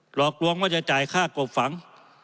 หลอกลวงว่าจะจ่ายค่ากบฝัง